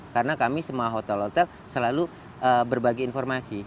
karena kami semua hotel hotel selalu berbagi informasi